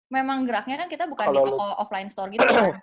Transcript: memang geraknya kan kita bukan di offline store gitu